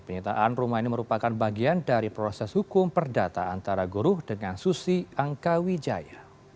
penyitaan rumah ini merupakan bagian dari proses hukum perdata antara guru dengan susi angkawijaya